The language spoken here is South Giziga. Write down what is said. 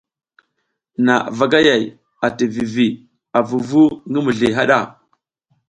Nha vagayay ati vivi a vuvu ngi mizli haɗa.